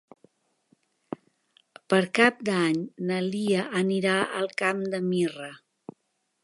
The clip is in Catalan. Per Cap d'Any na Lia anirà al Camp de Mirra.